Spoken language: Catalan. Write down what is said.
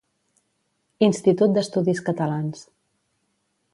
Institut d'Estudis Catalans.